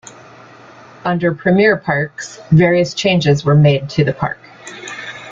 Under Premier Parks, various changes were made to the park.